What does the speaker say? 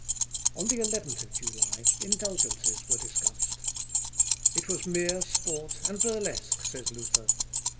On the 11th July indulgences were discussed. "It was mere sport and burlesque," says Luther.